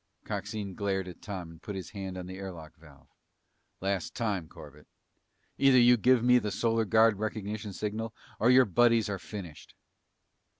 Coxine glared at Tom and put his hand on the air lock valve. "Last time, Corbett. Either you give me the Solar Guard recognition signal, or your buddies are finished!"